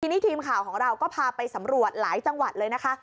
ทีนี้ทีมข่าวของเราก็พาไปสำรวจหลายจังหวัดเลยนะคะ